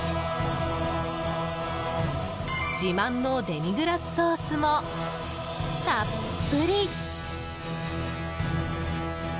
自慢のデミグラスソースもたっぷり。